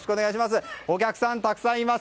お客さん、たくさんいます。